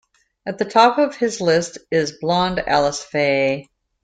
At the top of his list is blonde Alice Faye.